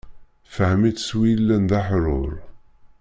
Fehm-itt s wi illan d aḥrur.